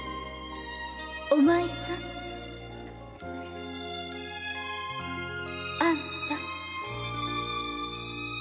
お前さん。あんた。